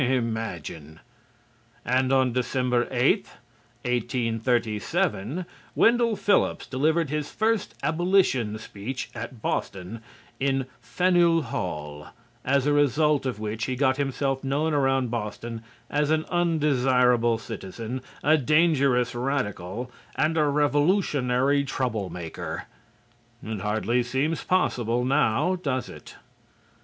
Imagine! And on Dec. 8, 1837, Wendell Phillips delivered his first abolition speech at Boston in Faneuil Hall, as a result of which he got himself known around Boston as an undesirable citizen, a dangerous radical and a revolutionary trouble maker. It hardly seems possible now, does it?